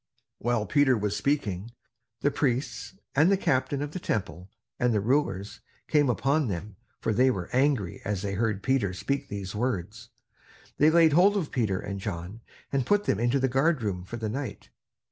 While Peter was speaking, the priests, and the captain of the Temple, and the rulers, came upon them; for they were angry as they heard Peter speak these words. They laid hold of Peter and John, and put them into the guardroom for the night.